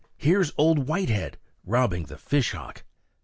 here's Old Whitehead, robbing the fish hawk."